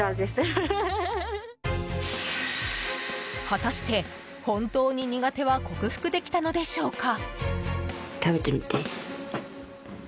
果たして、本当に苦手は克服できたのでしょうか？